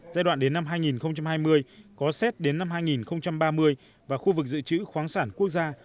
giai đoạn đến năm hai nghìn hai mươi có xét đến năm hai nghìn ba mươi và khu vực dự trữ khoáng sản quốc gia